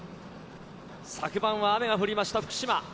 昨晩は雨が降りました、福島。